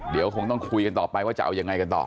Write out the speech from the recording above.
เดี๋ยวคงต้องคุยกันต่อไปว่าจะเอายังไงกันต่อ